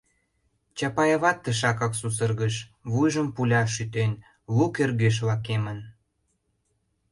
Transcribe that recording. Чапаеват тышакак сусыргыш: вуйжым пуля шӱтен, лу кӧргеш лакемын...